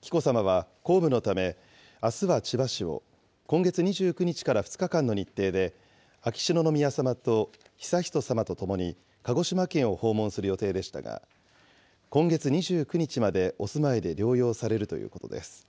紀子さまは公務のため、あすは千葉市を、今月２９日から２日間の日程で、秋篠宮さまと悠仁さまとともに鹿児島県を訪問する予定でしたが、今月２９日までお住まいで療養されるということです。